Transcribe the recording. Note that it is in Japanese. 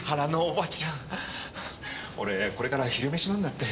俺これから昼飯なんだって。